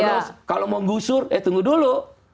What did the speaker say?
terus kalau mau ngusur eh tunggu dulu